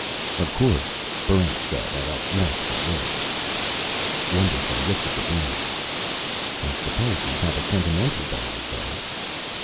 "Of course," Barrent said, at a loss for words. Wonderson looked at the rings. "I suppose these have a sentimental value, though."